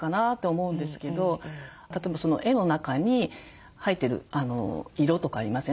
例えばその絵の中に入ってる色とかありますよね。